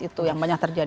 itu yang banyak terjadi